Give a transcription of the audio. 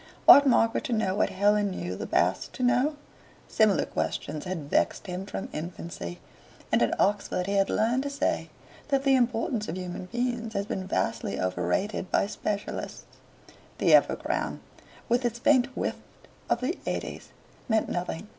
Ought Margaret to know what Helen knew the Basts to know? Similar questions had vexed him from infancy, and at Oxford he had learned to say that the importance of human beings has been vastly overrated by specialists. The epigram, with its faint whiff of the eighties, meant nothing.